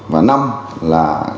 và năm là